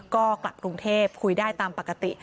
ก็กลับกรุงเทพคุยได้ตามปกติ